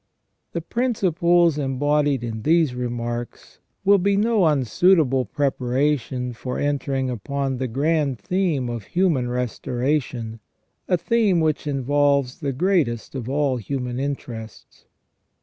The principles embodied in these remarks will be no unsuitable preparation for entering upon the grand theme of human restora tion — a theme which involves the greatest of all human interests.